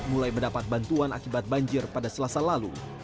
mulai mendapat bantuan akibat banjir pada selasa lalu